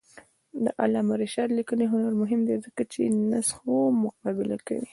د علامه رشاد لیکنی هنر مهم دی ځکه چې نسخو مقابله کوي.